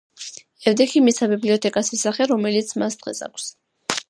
ევტიქიმ მისცა ბიბლიოთეკას ის სახე, რომელიც მას დღეს აქვს.